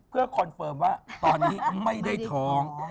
เพื่อคอนเฟิร์มว่าตอนนี้ไม่ได้ท้อง